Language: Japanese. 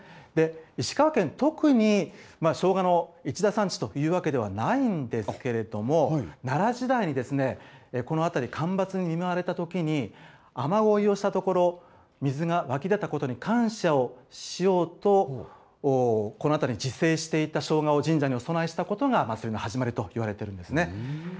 石川県、特にしょうがの一大産地というわけではないんですけれども、奈良時代に、この辺り、干ばつに見舞われたときに、雨ごいをしたところ、水が湧き出たことに感謝をしようと、この辺りに自生していたしょうがを神社にお供えしたことが祭りの始まりといわれているんですね。